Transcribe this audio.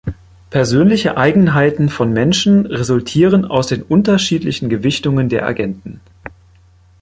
Persönliche Eigenheiten von Menschen resultieren aus den unterschiedlichen Gewichtungen der Agenten.